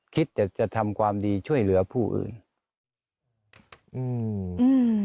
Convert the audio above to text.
คิดจะจะทำความดีช่วยเหลือผู้อื่นอืม